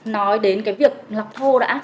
nói đến cái việc lọc thô đã